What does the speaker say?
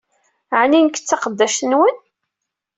Ɛni nekk d taqeddact-nwen?